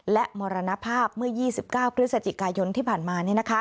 และมรณภาพเมื่อ๒๙พฤศจิกายนที่ผ่านมา